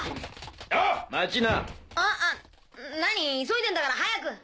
急いでんだから早く！